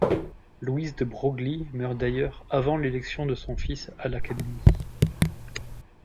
Louise de Broglie meurt d'ailleurs avant l'élection de son fils à l'Académie.